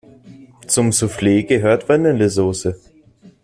Zum Souffle gehört Vanillesoße.